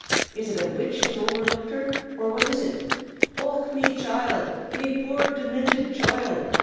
Is it a witch has overlooked her, or what is it? Och, me choild! me poor, diminted choild!